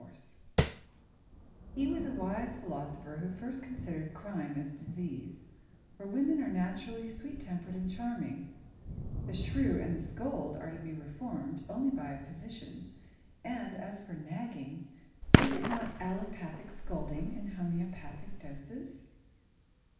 [Sidenote: Nagging] He was a wise philosopher who first considered crime as disease, for women are naturally sweet tempered and charming. The shrew and the scold are to be reformed only by a physician, and as for nagging, is it not allopathic scolding in homeopathic doses?